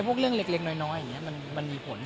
พวกเรื่องเล็กน้อยมันมีผล